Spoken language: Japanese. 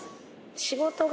仕事が。